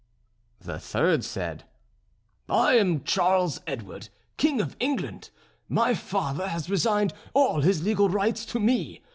The third said: "I am Charles Edward, King of England; my father has resigned all his legal rights to me.